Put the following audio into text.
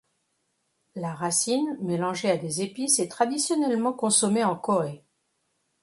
La racine, mélangée à des épices, est traditionnellement consommées en Corée.